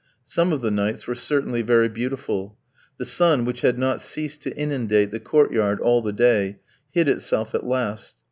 Some of the nights were certainly very beautiful. The sun, which had not ceased to inundate the court yard all the day, hid itself at last.